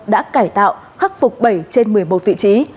đã cải tạo khắc phục bảy trên một mươi một vị trí